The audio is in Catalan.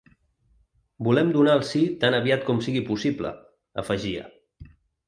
“Volem donar el sí tan aviat com sigui possible”, afegia.